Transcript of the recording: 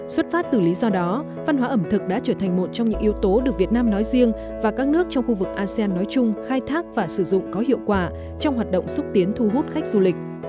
xuất phát từ lý do đó văn hóa ẩm thực đã trở thành một trong những yếu tố được việt nam nói riêng và các nước trong khu vực asean nói chung khai thác và sử dụng có hiệu quả trong hoạt động xúc tiến thu hút khách du lịch